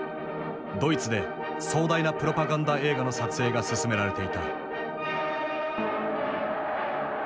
ドイツで壮大なプロパガンダ映画の撮影が進められていた。